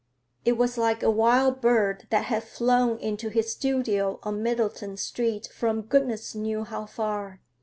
It was like a wild bird that had flown into his studio on Middleton Street from goodness knew how far!